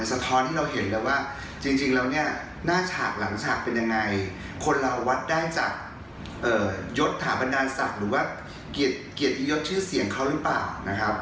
สะท้อนให้เราเห็นเลยว่าจริงแล้วเนี่ยหน้าฉากหลังฉากเป็นยังไงคนเราวัดได้จากยศถาบันดาลศักดิ์หรือว่าเกียรติยศชื่อเสียงเขาหรือเปล่านะครับ